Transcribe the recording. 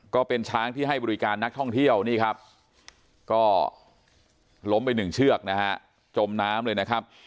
ก็เป็นช้างที่ให้บริการนักท่องเที่ยวนี่ครับก็ล้มไปหนึ่งเชือกนะฮะจมน้ำเลยนะครับ